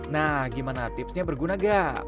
nah gimana tipsnya berguna gak